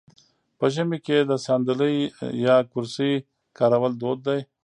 په ژمي کې د ساندلۍ یا کرسۍ کارول دود دی.